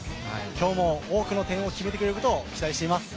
今日も多くの点を決めてくれることを期待しています。